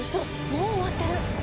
もう終わってる！